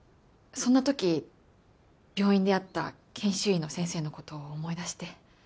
そんな時病院で会った研修医の先生の事を思い出して。